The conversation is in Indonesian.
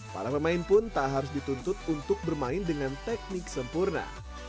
para pemain pun tak harus dituntut untuk bermain dengan teknik sempurna